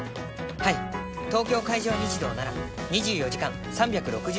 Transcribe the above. はい東京海上日動なら２４時間３６５日の事故受付。